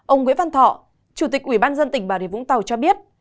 ông nguyễn văn thọ chủ tịch ubnd tỉnh bà rịa vũng tàu cho biết